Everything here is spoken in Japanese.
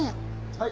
はい。